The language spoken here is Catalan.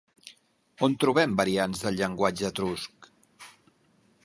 On trobem variants del llenguatge etrusc?